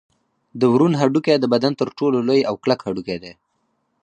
د ورون هډوکی د بدن تر ټولو لوی او کلک هډوکی دی